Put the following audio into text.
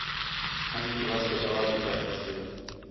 سنڳتی واسطے دَوا بھی چاتی سے